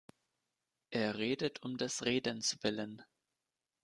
Er redet um des Redens Willen.